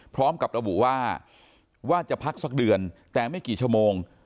พร้อมกับระบุว่าว่าจะพักสักเดือนแต่ไม่กี่ชั่วโมง